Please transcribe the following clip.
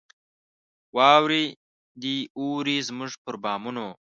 واوري دي اوري زموږ پر بامونو